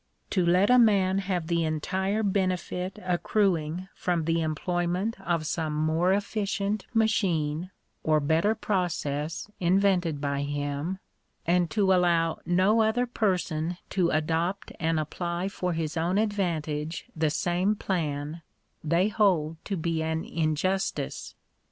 To let a man have the entire benefit accruing from the employment of some more efficient machine, Digitized by VjOOQIC THE RIGHT OF PROPERTY IN IDEAS. 139 or better process invented by him; and to allow do other person to adopt and apply for his own advantage the same plan, they hold to be an injustice.